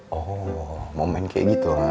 oh momen kayak gitu